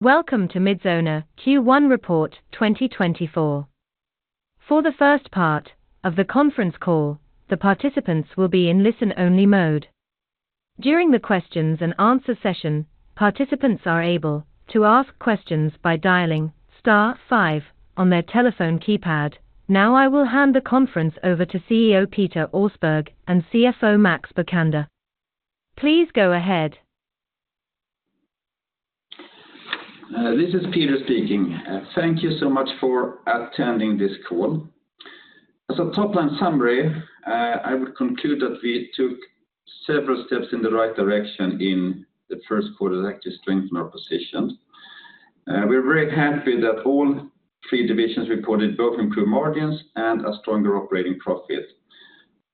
Welcome to Midsona Q1 Report 2024. For the first part of the conference call, the participants will be in listen-only mode. During the questions-and-answers session, participants are able to ask questions by dialing *5* on their telephone keypad. Now I will hand the conference over to CEO Peter Åsberg and CFO Max Bokander. Please go ahead. This is Peter speaking. Thank you so much for attending this call. As a top-line summary, I would conclude that we took several steps in the right direction in the first quarter to actually strengthen our position. We're very happy that all three divisions reported both improved margins and a stronger operating profit.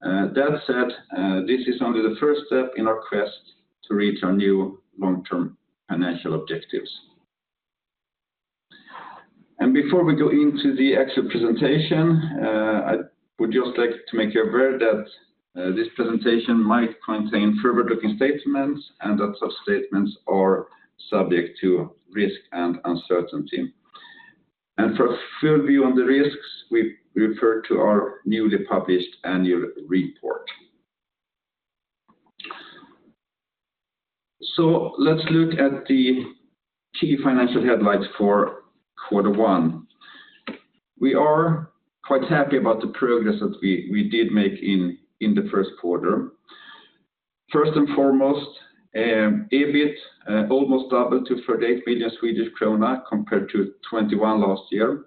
That said, this is only the first step in our quest to reach our new long-term financial objectives. Before we go into the actual presentation, I would just like to make you aware that this presentation might contain forward-looking statements and that such statements are subject to risk and uncertainty. For a full view on the risks, we refer to our newly published annual report. Let's look at the key financial headlines for quarter one. We are quite happy about the progress that we did make in the first quarter. First and foremost, EBIT almost doubled to 38 million Swedish krona compared to 21 million last year.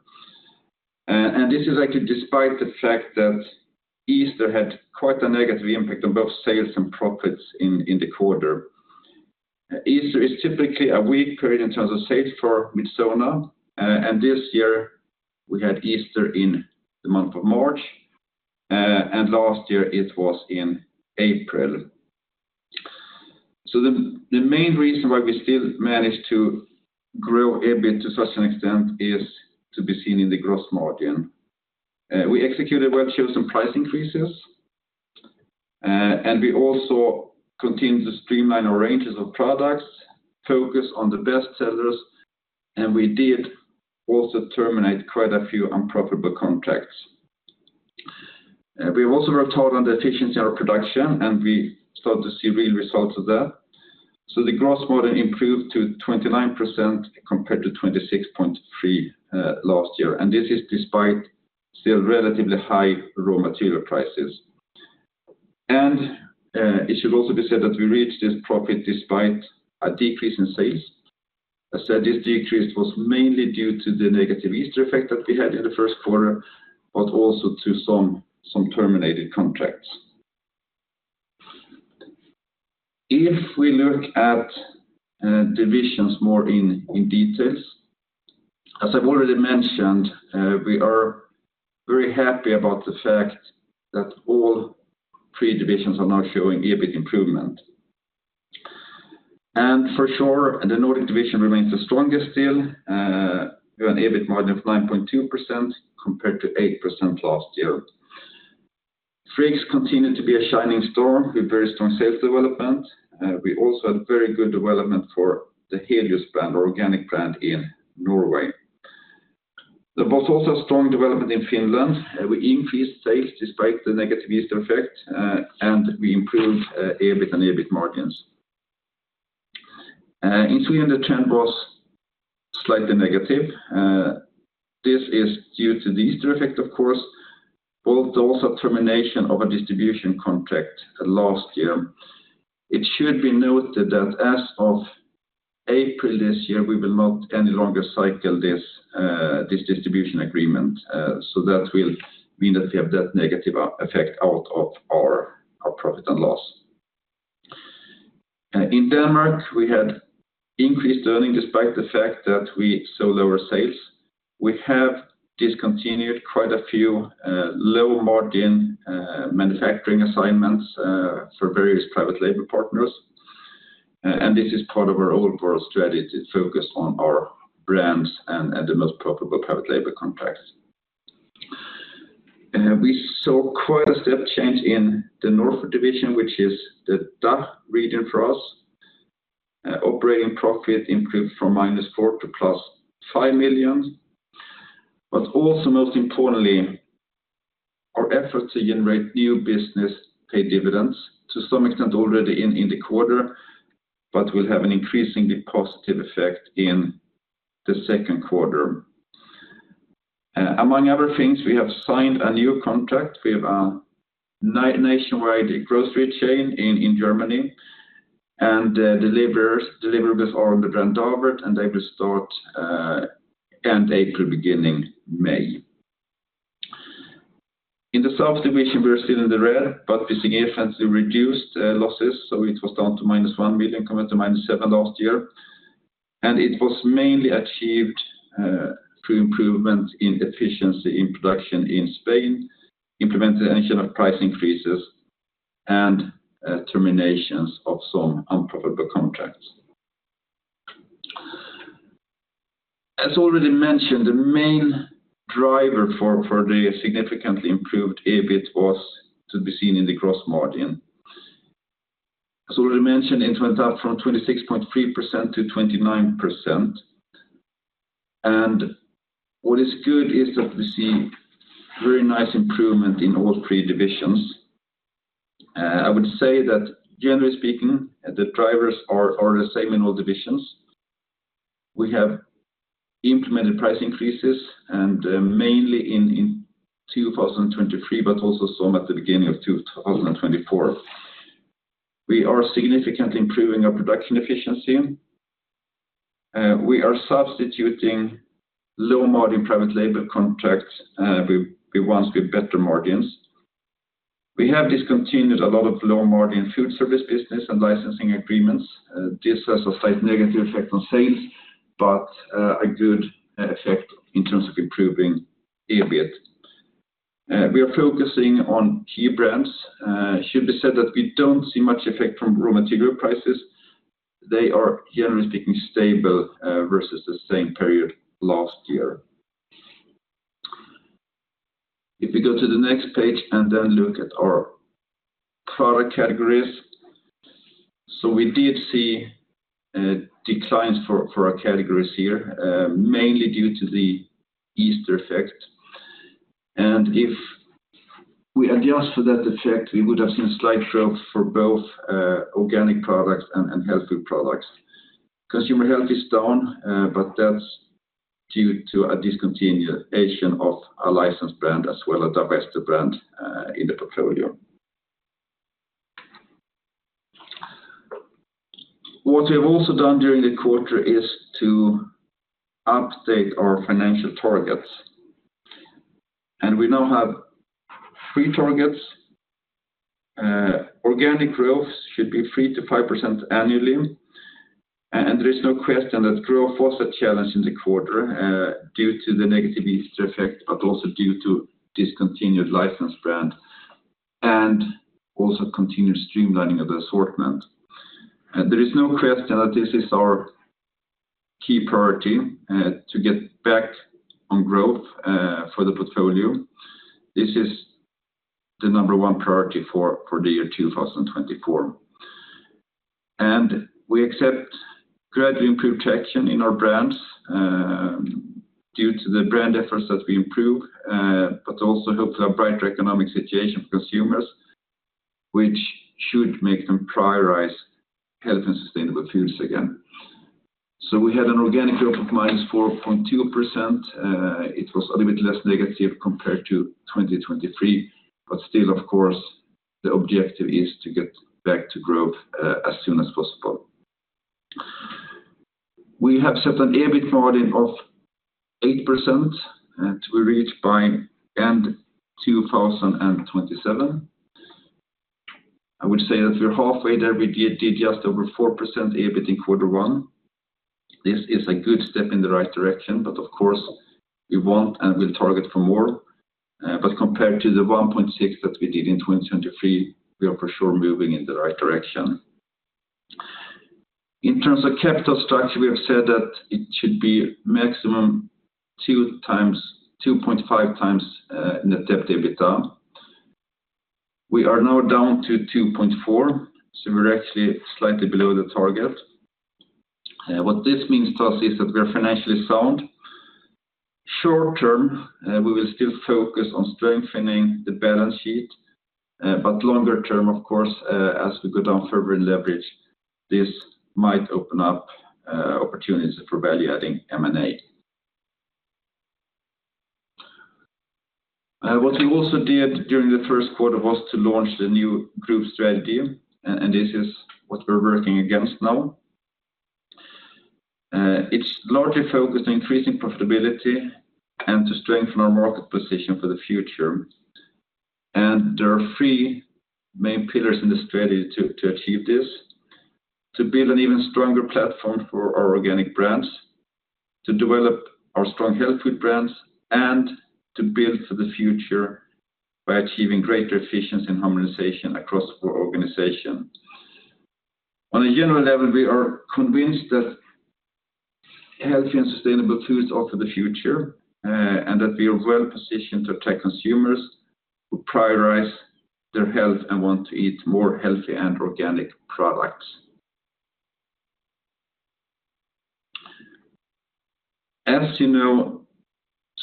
And this is actually despite the fact that Easter had quite a negative impact on both sales and profits in the quarter. Easter is typically a weak period in terms of sales for Midsona, and this year we had Easter in the month of March, and last year it was in April. So the main reason why we still managed to grow EBIT to such an extent is to be seen in the gross margin. We executed well-chosen price increases, and we also continued to streamline our ranges of products, focus on the best sellers. And we did also terminate quite a few unprofitable contracts. We have also worked hard on the efficiency in our production, and we started to see real results of that. The gross margin improved to 29% compared to 26.3% last year, and this is despite still relatively high raw material prices. It should also be said that we reached this profit despite a decrease in sales. As said, this decrease was mainly due to the negative Easter effect that we had in the first quarter, but also to some terminated contracts. If we look at divisions more in detail, as I've already mentioned, we are very happy about the fact that all three divisions are now showing EBIT improvement. For sure, the Nordic division remains the strongest still. We have an EBIT margin of 9.2% compared to 8% last year. Friggs continued to be a shining star with very strong sales development. We also had very good development for the Helios brand, our organic brand, in Norway. There was also a strong development in Finland. We increased sales despite the negative Easter effect, and we improved EBIT and EBIT margins. In Sweden, the trend was slightly negative. This is due to the Easter effect, of course, but also termination of a distribution contract last year. It should be noted that as of April this year, we will not any longer cycle this distribution agreement. So that will mean that we have that negative effect out of our profit and loss. In Denmark, we had increased earnings despite the fact that we saw lower sales. We have discontinued quite a few low-margin manufacturing assignments for various private label partners. This is part of our overall strategy. It focused on our brands and the most profitable private label contracts. We saw quite a step change in the Nordic division, which is the DACH region for us. Operating profit improved from -4 million to 5 million. But also most importantly, our efforts to generate new business pay dividends to some extent already in the quarter, but will have an increasingly positive effect in the second quarter. Among other things, we have signed a new contract. We have a nationwide grocery chain in Germany. And deliverables are under brand Davert, and they will start end April, beginning May. In the South division, we are still in the red, but we significantly reduced losses. So it was down to -1 million compared to -7 million last year. And it was mainly achieved through improvements in efficiency in production in Spain, implementation of price increases, and terminations of some unprofitable contracts. As already mentioned, the main driver for the significantly improved EBIT was to be seen in the gross margin. As already mentioned, it went up from 26.3% to 29%. And what is good is that we see very nice improvement in all three divisions. I would say that generally speaking, the drivers are the same in all divisions. We have implemented price increases, and mainly in 2023, but also some at the beginning of 2024. We are significantly improving our production efficiency. We are substituting low-margin private label contracts with ones with better margins. We have discontinued a lot of low-margin food service business and licensing agreements. This has a slight negative effect on sales, but a good effect in terms of improving EBIT. We are focusing on key brands. It should be said that we don't see much effect from raw material prices. They are generally speaking stable versus the same period last year. If we go to the next page and then look at our product categories. We did see declines for our categories here, mainly due to the Easter effect. If we adjust for that effect, we would have seen slight growth for both organic products and healthy products. Consumer health is down, but that's due to a discontinuation of our licensed brand as well as our Vesterålens brand in the portfolio. What we have also done during the quarter is to update our financial targets. We now have three targets. Organic growth should be 3% to 5% annually. There is no question that growth was a challenge in the quarter due to the negative Easter effect, but also due to discontinued licensed brand and also continued streamlining of the assortment. There is no question that this is our key priority to get back on growth for the portfolio. This is the number one priority for the year 2024. We accept gradually improved traction in our brands due to the brand efforts that we improve, but also hopefully a brighter economic situation for consumers, which should make them prioritize health and sustainable foods again. We had an organic growth of -4.2%. It was a little bit less negative compared to 2023, but still, of course, the objective is to get back to growth as soon as possible. We have set an EBIT margin of 8% to be reached by end 2027. I would say that we're halfway there. We did just over 4% EBIT in quarter one. This is a good step in the right direction, but of course, we want and will target for more. But compared to the 1.6 that we did in 2023, we are for sure moving in the right direction. In terms of capital structure, we have said that it should be maximum 2.5x Net Debt/EBITDA. We are now down to 2.4, so we're actually slightly below the target. What this means to us is that we are financially sound. Short term, we will still focus on strengthening the balance sheet, but longer term, of course, as we go down further in leverage, this might open up opportunities for value-adding M&A. What we also did during the first quarter was to launch the new group strategy, and this is what we're working against now. It's largely focused on increasing profitability and to strengthen our market position for the future. There are three main pillars in the strategy to achieve this: to build an even stronger platform for our organic brands, to develop our strong health food brands, and to build for the future by achieving greater efficiency and harmonization across our organization. On a general level, we are convinced that healthy and sustainable foods are for the future and that we are well positioned to attract consumers who prioritize their health and want to eat more healthy and organic products. As you know,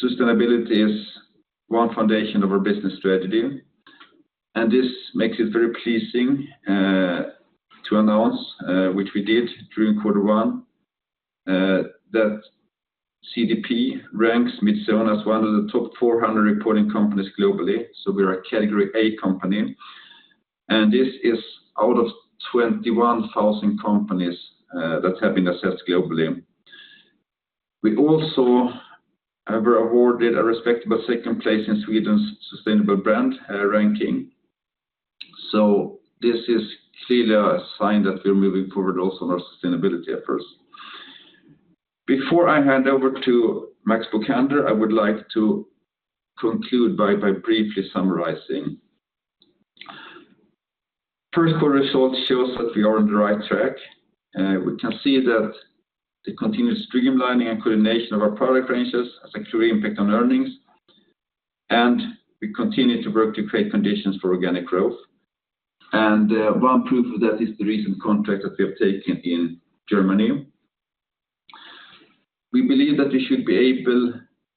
sustainability is one foundation of our business strategy, and this makes it very pleasing to announce, which we did during quarter one, that CDP ranks Midsona as one of the top 400 reporting companies globally. We are a category A company. This is out of 21,000 companies that have been assessed globally. We also were awarded a respectable second place in Sweden's sustainable brand ranking. This is clearly a sign that we're moving forward also in our sustainability efforts. Before I hand over to Max Bokander, I would like to conclude by briefly summarizing. First quarter results show us that we are on the right track. We can see that the continuous streamlining and coordination of our product ranges has a clear impact on earnings. We continue to work to create conditions for organic growth. One proof of that is the recent contract that we have taken in Germany. We believe that we should be able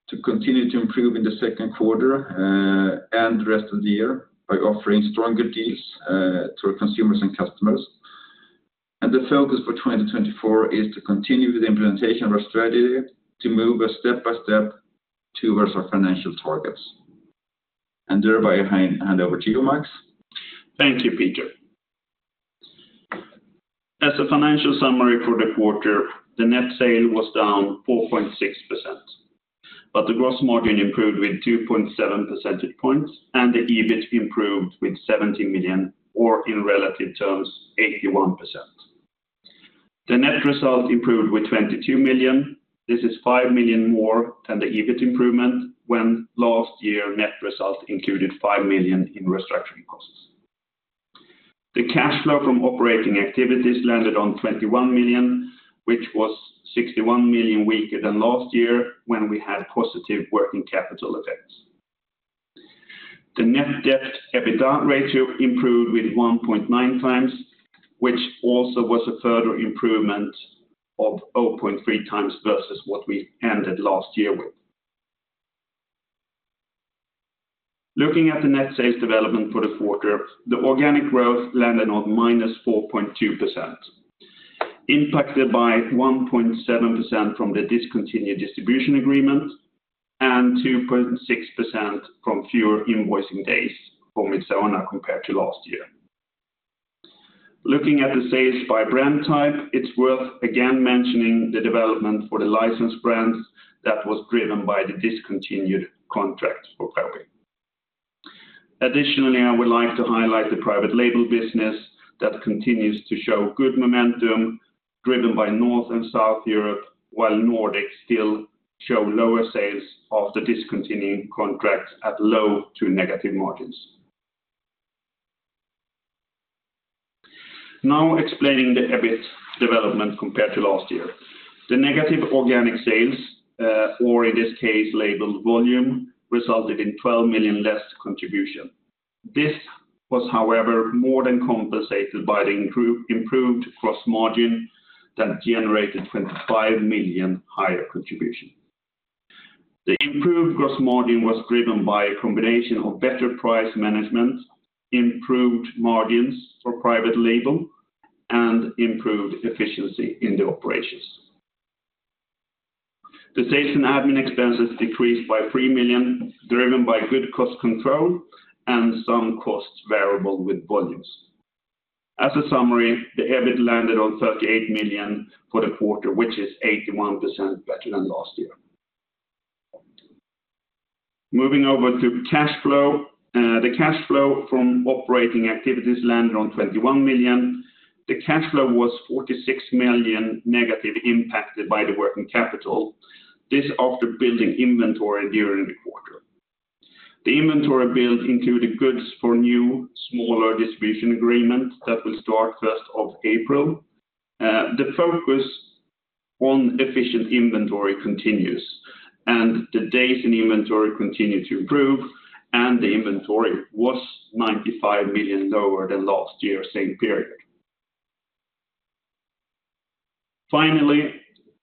to continue to improve in the second quarter and the rest of the year by offering stronger deals to our consumers and customers. The focus for 2024 is to continue with the implementation of our strategy to move a step by step towards our financial targets. Thereby, I hand over to you, Max. Thank you, Peter. As a financial summary for the quarter, the net sale was down 4.6%, but the gross margin improved with 2.7 percentage points, and the EBIT improved with 17 million, or in relative terms, 81%. The net result improved with 22 million. This is 5 million more than the EBIT improvement when last year net result included 5 million in restructuring costs. The cash flow from operating activities landed on 21 million, which was 61 million weaker than last year when we had positive working capital effects. The net debt EBITDA ratio improved with 1.9 times, which also was a further improvement of 0.3 times versus what we ended last year with. Looking at the net sales development for the quarter, the organic growth landed on -4.2%, impacted by 1.7% from the discontinued distribution agreement and 2.6% from fewer invoicing days for Midsona compared to last year. Looking at the sales by brand type, it's worth again mentioning the development for the licensed brands that was driven by the discontinued contract for Probi. Additionally, I would like to highlight the private label business that continues to show good momentum driven by North and South Europe, while Nordic still show lower sales after discontinuing contracts at low to negative margins. Now explaining the EBIT development compared to last year. The negative organic sales, or in this case, labeled volume, resulted in 12 million less contribution. This was, however, more than compensated by the improved gross margin that generated 25 million higher contribution. The improved gross margin was driven by a combination of better price management, improved margins for private label, and improved efficiency in the operations. The sales and admin expenses decreased by 3 million, driven by good cost control and some cost variable with volumes. As a summary, the EBIT landed on 38 million for the quarter, which is 81% better than last year. Moving over to cash flow. The cash flow from operating activities landed on 21 million. The cash flow was 46 million negative impacted by the working capital. This after building inventory during the quarter. The inventory build included goods for new smaller distribution agreements that will start first of April. The focus on efficient inventory continues, and the days in inventory continue to improve, and the inventory was 95 million lower than last year's same period. Finally,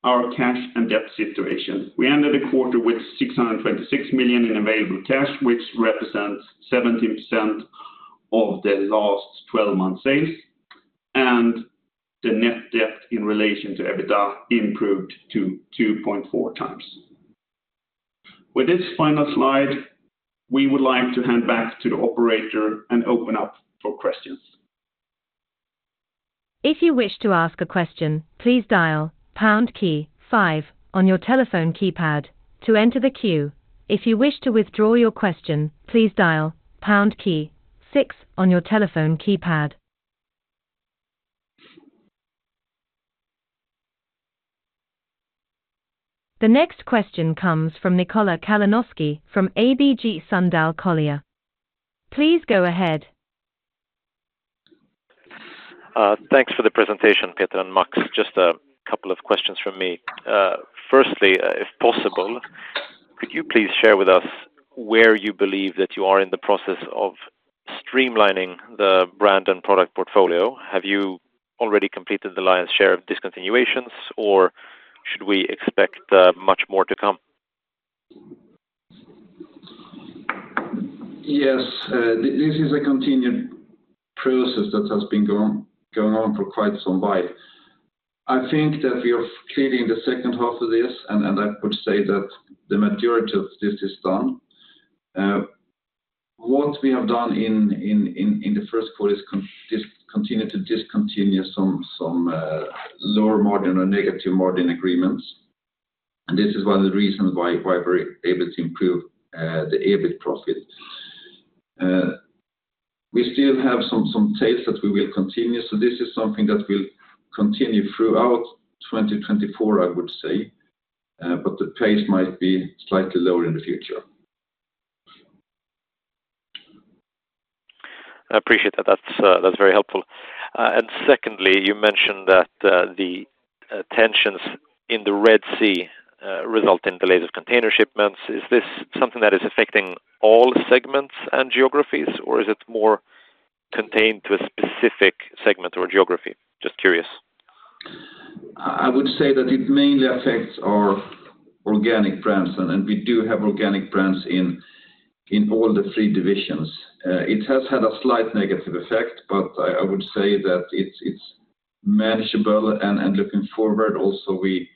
our cash and debt situation. We ended the quarter with 626 million in available cash, which represents 17% of the last 12 months' sales. The net debt in relation to EBITDA improved to 2.4 times. With this final slide, we would like to hand back to the operator and open up for questions. If you wish to ask a question, please dial pound key 5 on your telephone keypad to enter the queue. If you wish to withdraw your question, please dial pound key 6 on your telephone keypad. The next question comes from Nikola Kalinowski from ABG Sundal Collier. Please go ahead. Thanks for the presentation, Peter and Max. Just a couple of questions from me. Firstly, if possible, could you please share with us where you believe that you are in the process of streamlining the brand and product portfolio? Have you already completed the lion's share of discontinuations, or should we expect much more to come? Yes. This is a continued process that has been going on for quite some time. I think that we are clearly in the second half of this, and I would say that the majority of this is done. What we have done in the first quarter is continue to discontinue some lower margin or negative margin agreements. This is one of the reasons why we're able to improve the EBIT profit. We still have some sales that we will continue. This is something that will continue throughout 2024, I would say, but the pace might be slightly lower in the future. I appreciate that. That's very helpful. And secondly, you mentioned that the tensions in the Red Sea result in delays of container shipments. Is this something that is affecting all segments and geographies, or is it more contained to a specific segment or geography? Just curious. I would say that it mainly affects our organic brands, and we do have organic brands in all the three divisions. It has had a slight negative effect, but I would say that it's manageable. And looking forward, also, we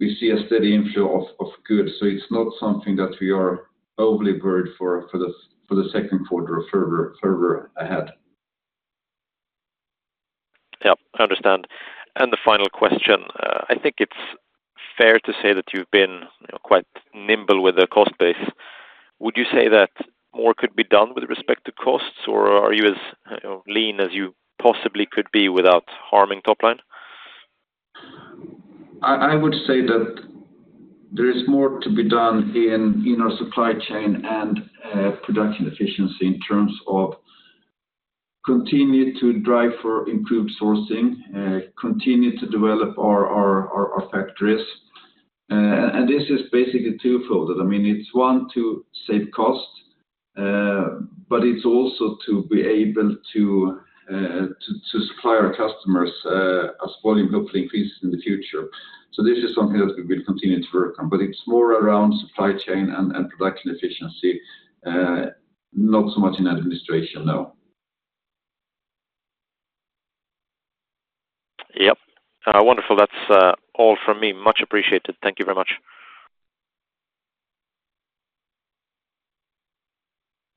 see a steady inflow of goods. So it's not something that we are overly worried for the second quarter or further ahead. Yeah. I understand. And the final question. I think it's fair to say that you've been quite nimble with the cost base. Would you say that more could be done with respect to costs, or are you as lean as you possibly could be without harming top line? I would say that there is more to be done in our supply chain and production efficiency in terms of continue to drive for improved sourcing, continue to develop our factories. This is basically twofold. I mean, it's, one, to save cost, but it's also to be able to supply our customers as volume hopefully increases in the future. This is something that we will continue to work on, but it's more around supply chain and production efficiency, not so much in administration, no. Yep. Wonderful. That's all from me. Much appreciated. Thank you very much.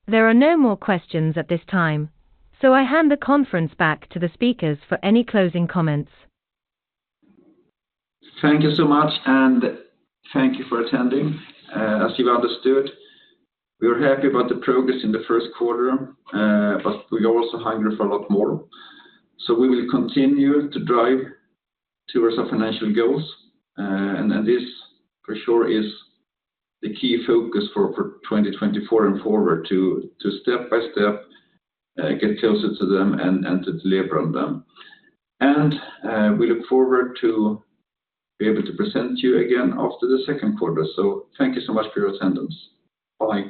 There are no more questions at this time, so I hand the conference back to the speakers for any closing comments. Thank you so much, and thank you for attending. As you understood, we were happy about the progress in the first quarter, but we are also hungry for a lot more. We will continue to drive toward our financial goals, and this for sure is the key focus for 2024 and forward to step by step get closer to them and to deliver on them. We look forward to be able to present you again after the second quarter. Thank you so much for your attendance. Bye.